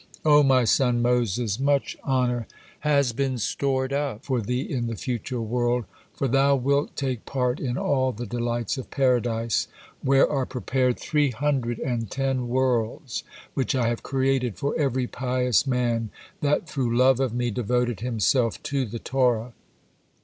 O My son Moses, much honor had been stored up for thee in the future world, for thou wilt take part in all the delights of Paradise, where are prepared three hundred and ten worlds, which I have created for every pious man that through love of Me devoted himself to the Torah.